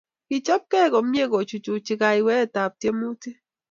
Kechopkei komie kochuchuchi kayweetap tiemutik